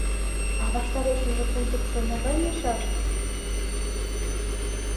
— А ваштарешыже кузыкшо могай лийшаш?